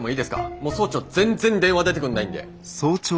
もう総長ぜんっぜん電話出てくんないんで！